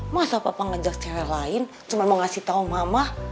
masa papa ngajak cewek lain cuma mau ngasih tahu mama